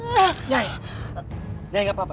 nyai nyai gak apa apa